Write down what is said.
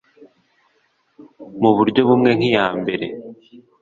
mu buryo bumwe nk iya mbere